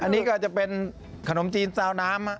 อันนี้ก็จะเป็นขนมจีนซาวน้ำ